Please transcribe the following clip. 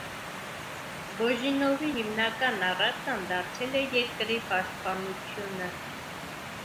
Բոժինովի հիմնական առարկան դարձել է երկրի պաշտպանությունը։